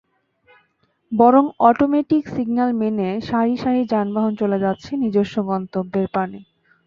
বরং automatic signal মেনে সারি সারি যানবাহন চলে যাচ্ছে নিজস্ব গন্তব্যের পানে।